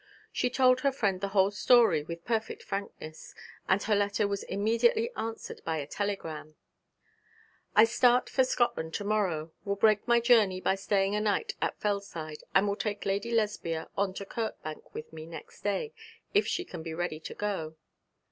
She told her friend the whole story with perfect frankness, and her letter was immediately answered by a telegram. 'I start for Scotland to morrow, will break my journey by staying a night at Fellside, and will take Lady Lesbia on to Kirkbank with me next day, if she can be ready to go.'